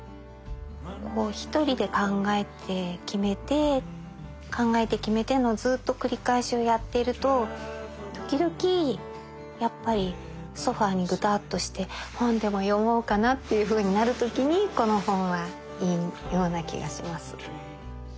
こう一人で考えて決めて考えて決めてのずっと繰り返しをやっていると時々やっぱりソファーにグタッとして本でも読もうかなっていうふうになる時にこの本はいいような気がします。